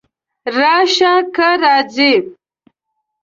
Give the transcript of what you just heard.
راشه! که راځې!